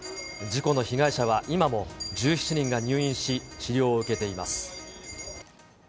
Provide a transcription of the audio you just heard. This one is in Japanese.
事故の被害者は今も１７人が入院し、治療を受けています。